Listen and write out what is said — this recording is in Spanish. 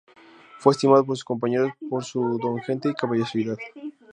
Fue estimado por sus compañeros por su don de gente y caballerosidad.